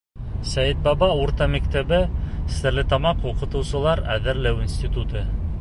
Сәйетбаба урта мәктәбе, Стәрлетамаҡ уҡытыусылар әҙерләү институты...